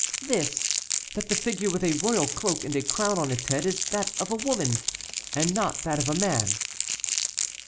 "This: that the figure with a royal cloak and a crown on its head is that of a woman, and not that of a man."